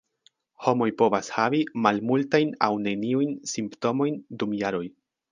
Homoj povas havi malmultajn aŭ neniujn simptomojn dum jaroj.